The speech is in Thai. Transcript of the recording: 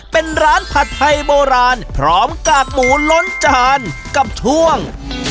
เป็นร้านผัดไทยโบราณพร้อมกากหมูล้นจานกับช่วง